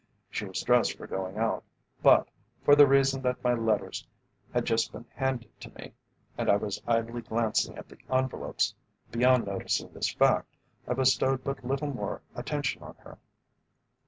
She was dressed for going out, but, for the reason that my letters had just been handed to me and I was idly glancing at the envelopes, beyond noticing this fact, I bestowed but little more attention on her.